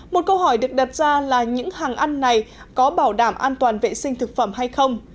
một câu hỏi được đặt ra là những hàng ăn này có bảo đảm an toàn vệ sinh thực phẩm hay không